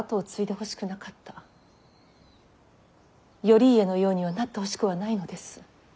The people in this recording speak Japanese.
頼家のようにはなってほしくはないのです。